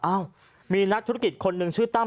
เอ้ามีนักธุรกิจคนหนึ่งชื่อตั้ม